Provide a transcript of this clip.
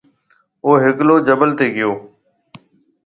او ھيَََڪلو جبل تي گيو۔